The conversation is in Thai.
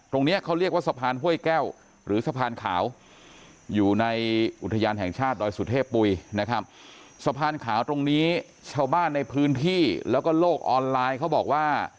ตรงนี้เขาเรียกว่าสะพานเฮ้ยแก้วหรือสะพานขาว